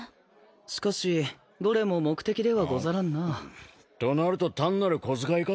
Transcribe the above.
しかしどれも目的ではござらんな。となると単なる小遣い稼ぎかぁ？